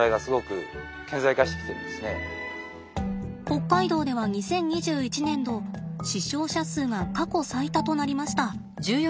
北海道では２０２１年度死傷者数が過去最多となりました。